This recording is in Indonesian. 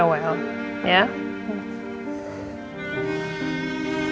tuh agak rewel ya